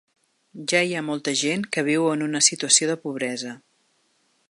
Ja hi ha molta gent que viu en una situació de pobresa.